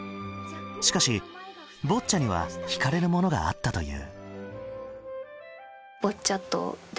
しかしボッチャには引かれるものがあったという。